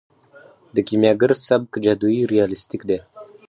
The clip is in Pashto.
د کیمیاګر سبک جادويي ریالستیک دی.